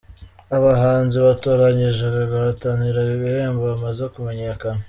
Abahanzi batoranyijwe guhatanira ibi bihembo bamaze kumenyekana.